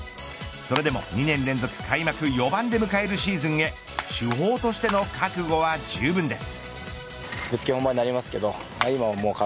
それでも２年連続開幕４番で迎えるシーズンへ主砲としての覚悟はじゅうぶんです。